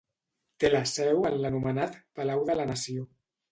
Té la seu en l'anomenat Palau de la Nació.